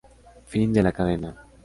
Fin de la cadena